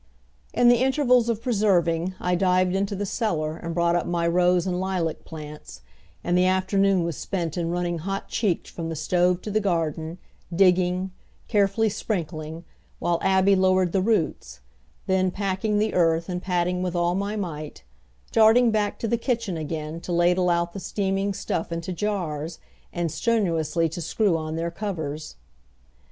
In the intervals of preserving I dived into the cellar and brought up my rose and lilac plants; and the afternoon was spent in running hot cheeked from the stove to the garden, digging, carefully sprinkling, while Abby lowered the roots; then packing the earth and patting with all my might; darting back to the kitchen again to ladle out the steaming stuff into jars and strenuously to screw on their covers.